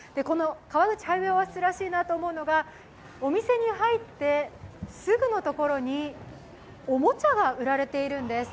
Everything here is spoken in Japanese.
川口ハイウェイオアシスらしいなと思うのが、お店に入ってすぐのところにおもちゃが売られているんです。